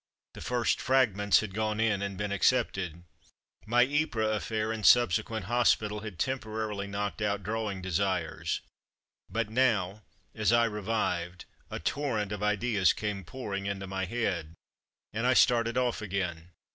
The first Fragments had gone in and been ac cepted. My Ypres affair and subsequent hospital had temporarily knocked out draw ing desires, but now, as I revived, a torrent of ideas came pouring into my head, and I started off again.